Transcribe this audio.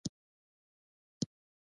د پوهې لټه خوشحالي ده.